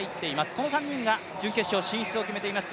この３人が準決勝進出を決めています。